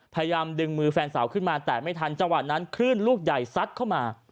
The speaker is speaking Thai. พยายามดึงมือแฟนสาวขึ้นมาแต่ไม่ทันจังหวะนั้นคลื่นลูกใหญ่ซัดเข้ามา